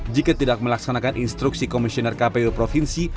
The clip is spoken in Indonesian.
jika tidak melaksanakan instruksi komisioner kpu provinsi